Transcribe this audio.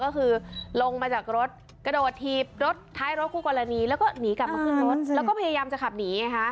ก็คือลงมาจากรถกระโดดถีบรถท้ายรถคู่กรณีแล้วก็หนีกลับมาขึ้นรถแล้วก็พยายามจะขับหนีไงฮะ